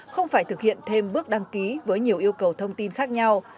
không phải thực hiện thêm bước đăng ký với nhiều yêu cầu thông tin khác nhau